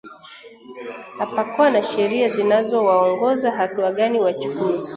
Hapakuwa na sheria zinazowaongoza hatua gani wachukue